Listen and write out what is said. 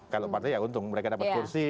kalau partai ya untung mereka dapat kursi